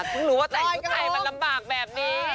รู้หรือว่าแต่อยู่ไทยมันลำบากแบบนี้